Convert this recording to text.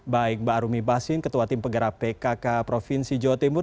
baik mbak rumi pasin ketua tim pegara pkk provinsi jawa timur